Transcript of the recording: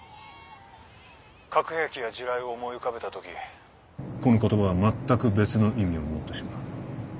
核兵器や地雷を思い浮かべたときこの言葉はまったく別の意味を持ってしまう。